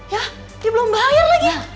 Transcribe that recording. yah dia belom bayar lagi